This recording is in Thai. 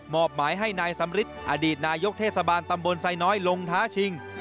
อบหมายให้นายสำริทอดีตนายกเทศบาลตำบลไซน้อยลงท้าชิง